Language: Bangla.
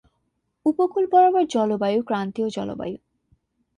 উপকূল বরাবর জলবায়ু ক্রান্তীয় জলবায়ু।